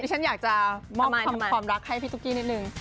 ฉันอยากจะมอบความรักให้พี่ตุ๊กกี้นิดนึง